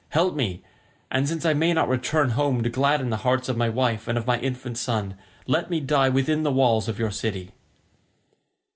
Help me, and since I may not return home to gladden the hearts of my wife and of my infant son, let me die within the walls of your city."